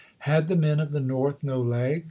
Had the men of the North no legs